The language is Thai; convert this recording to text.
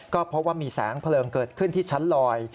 ก็พบว่ามีแสงเพลิงเกิดขึ้นที่ชั้นลอย